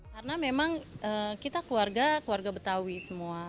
karena memang kita keluarga keluarga betawi semua